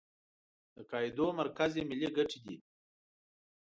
د قاعدو مرکز یې ملي ګټې دي.